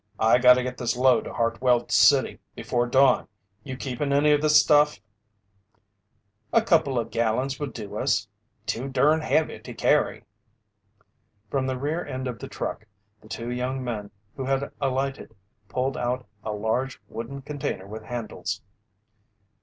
"I gotta get this load to Hartwell City before dawn. You keepin' any of the stuff?" "A couple o' gallons will do us. Too durn heavy to carry." From the rear end of the truck, the two young men who had alighted, pulled out a large wooden container with handles.